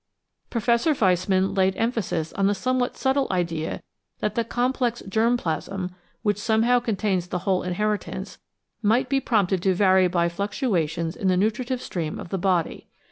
Professor Weismann laid emphasis on the somewhat subtle idea that the complex germ plasm, which somehow contains the whole inheritance, might be prompted to vary by fluctuations in the nutritive stream of the body.